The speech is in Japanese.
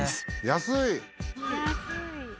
安い。